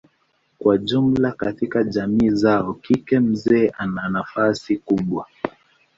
Kwa jumla katika jamii zao kike mzee ana nafasi kubwa.